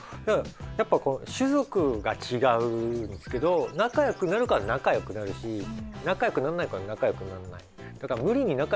やっぱり種族が違うんですけど仲よくなる子は仲よくなるし仲よくならない子は仲よくならない。